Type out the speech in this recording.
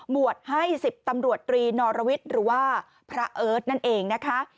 บวชให้๑๐ตำรวจตรีนอรวิทย์หรือว่าพระเอิร์ทนั่นเองนะคะ